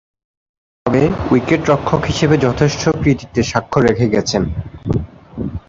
তবে, উইকেট-রক্ষক হিসেবে যথেষ্ট কৃতিত্বের স্বাক্ষর রেখে গেছেন।